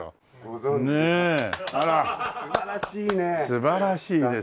素晴らしいですよ。